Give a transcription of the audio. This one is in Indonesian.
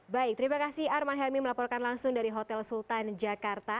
baik terima kasih arman helmi melaporkan langsung dari hotel sultan jakarta